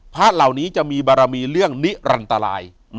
พระเหล่านี้จะมีบารมีเรื่องนิรันตราย